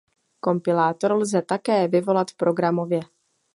Kompilátor lze také vyvolat programově.